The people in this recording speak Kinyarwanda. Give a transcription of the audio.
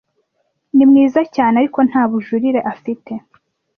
Ni mwiza cyane, ariko nta bujurire afite.